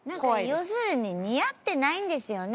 要するに似合ってないんですよね。